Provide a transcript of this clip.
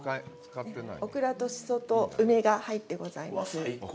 オクラとシソと梅が入ってございます。